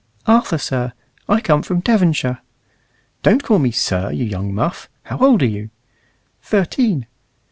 "Arthur, sir. I come from Devonshire." "Don't call me 'sir,' you young muff. How old are you?" "Thirteen."